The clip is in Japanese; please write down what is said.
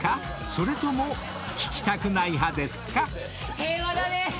［それとも聞きたくない派ですか？］